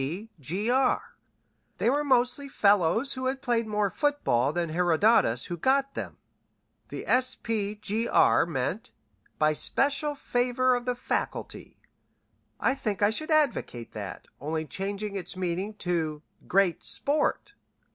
B. Sp. Gr. they were mostly fellows who had played more football than Herodotus who got them. The Sp. Gr. meant 'by special favor of the Faculty.' I think I should advocate that, only changing its meaning to 'Great Sport.'"